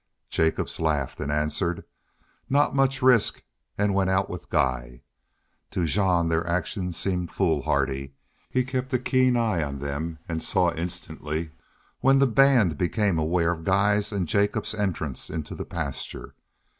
Jacobs laughed and answered, "Not much risk," and went out with Guy. To Jean their action seemed foolhardy. He kept a keen eye on them and saw instantly when the band became aware of Guy's and Jacobs's entrance into the pasture.